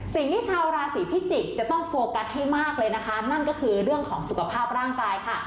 สิ่งที่ชาวราศีพิจิกษ์จะต้องโฟกัสให้มากเลยนะคะนั่นก็คือเรื่องของสุขภาพร่างกายค่ะ